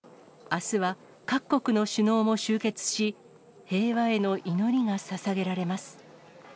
あすは各国の首脳も集結し、平和への祈りがささげられます。